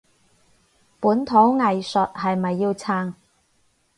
本土藝術係咪要撐？